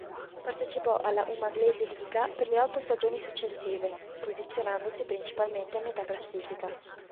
Partecipò alla Umaglesi Liga per le otto stagioni successive, posizionandosi principalmente a metà classifica.